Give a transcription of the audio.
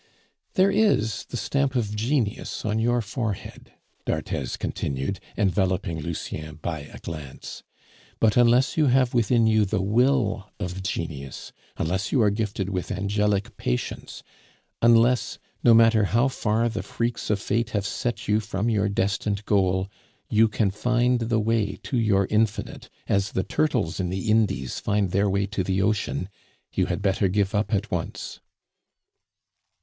There is the stamp of genius on your forehead," d'Arthez continued, enveloping Lucien by a glance; "but unless you have within you the will of genius, unless you are gifted with angelic patience, unless, no matter how far the freaks of Fate have set you from your destined goal, you can find the way to your Infinite as the turtles in the Indies find their way to the ocean, you had better give up at once."